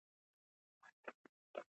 انځور د میلیونونو خلکو لپاره جذاب دی.